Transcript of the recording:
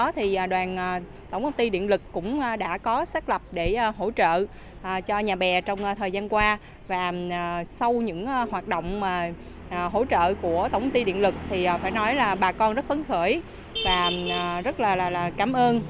tổng công ty điện lực cũng đã có xác lập để hỗ trợ cho nhà bè trong thời gian qua và sau những hoạt động hỗ trợ của tổng ty điện lực thì phải nói là bà con rất phấn khởi và rất là cảm ơn